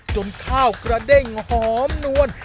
ข้าวกระเด้งหอมนวล